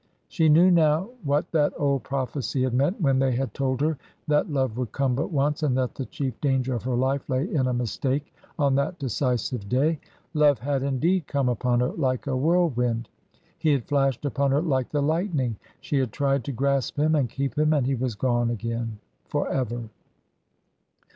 She knew now what that old prophecy had meant, when they had told her that love would come but once, and that the chief danger of her life lay in a mistake on that decisive day. Love had indeed come upon her like a whirlwind, he had flashed upon her like the lightning, she had tried to grasp him and keep him, and he was gone again for ever.